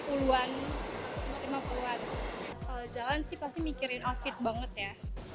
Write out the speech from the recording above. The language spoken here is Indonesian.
kalau jalan sih pasti mikirin outfit banget ya